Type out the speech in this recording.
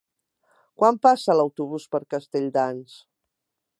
Quan passa l'autobús per Castelldans?